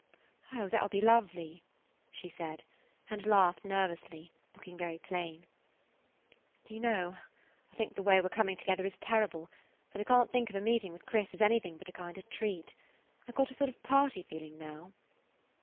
"Oh, that will be lovely," she said, and laughed nervously, looking very plain. "Do you know, I know the way we 're coming together is terrible, but I can't think of a meeting with Chris as anything but a kind of treat. I 've got a sort of party feeling now."